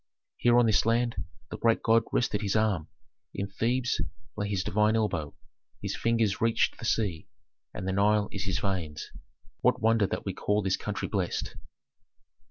Here on this land the great god rested his arm: in Thebes lay his divine elbow, his fingers reached the sea, and the Nile is his veins. What wonder that we call this country blessed!"